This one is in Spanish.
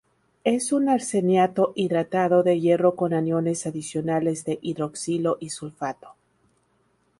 Es un arseniato hidratado de hierro con aniones adicionales de hidroxilo y sulfato.